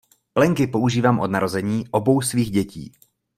Plenky používám od narození obou svých dětí.